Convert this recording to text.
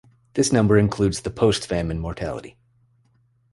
This number includes the post-famine mortality.